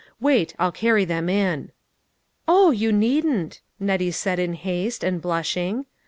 Wait, I'll carry them in." " Oh, you needn't," Nettie said in haste, and blushing.